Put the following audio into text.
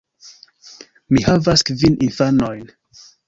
Mi havas kvin infanojn.